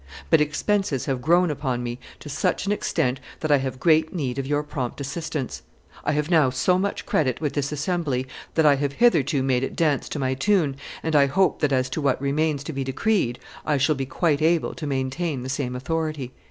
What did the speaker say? ... But expenses have grown upon me to such an extent that I have great need of your prompt assistance. ... I have now so much credit with this assembly that I have hitherto made it dance to my tune, and I hope that as to what remains to be decreed I shall be quite able to maintain the same authority."